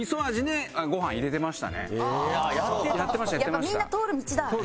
やっぱみんな通る道だ。